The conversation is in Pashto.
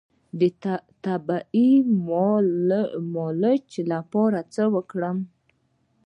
د طبیعي ملچ لپاره څه وکاروم؟